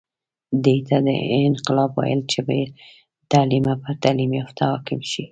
دې ته یې انقلاب ویل چې بې تعلیمه پر تعلیم یافته حاکم شي.